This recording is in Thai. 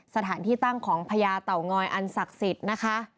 สถานที่ตั้งของพญาเต่างอยอันศักดิ์สิทธิ์นะคะ